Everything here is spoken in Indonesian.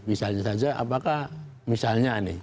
misalnya saja apakah misalnya nih